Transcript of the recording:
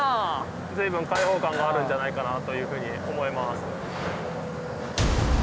随分開放感があるんじゃないかなというふうに思います。